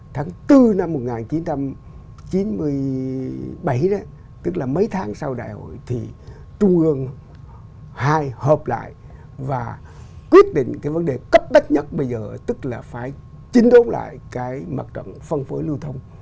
tháng bốn năm một nghìn chín trăm chín mươi bảy đó tức là mấy tháng sau đại hội thì trung ương hai hợp lại và quyết định cái vấn đề cấp bách nhất bây giờ tức là phải chiến đấu lại cái mặt trận phân phối lưu thông